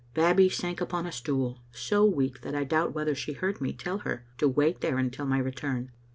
Babbie sank upon a stool, so weak that I doubt whether she heard me tell her to wait there until my return.